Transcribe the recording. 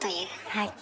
はい。